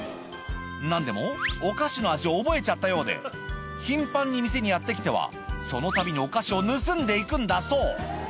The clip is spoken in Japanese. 何でもお菓子の味を覚えちゃったようで頻繁に店にやって来てはそのたびにお菓子を盗んで行くんだそう